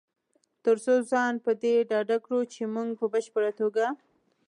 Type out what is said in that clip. تر څو ځان په دې ډاډه کړو چې مونږ په بشپړ توګه